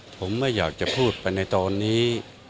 ผมไม่อยากจะพูดไปในตอนนี้